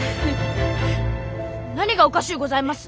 何がおかしうございます！